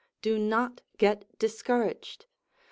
Do not get discouraged.